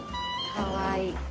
かわいい！